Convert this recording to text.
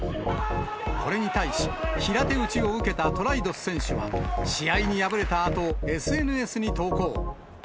これに対し、平手打ちを受けたトライドス選手は、試合に敗れたあと、ＳＮＳに投稿。